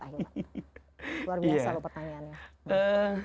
luar biasa pertanyaannya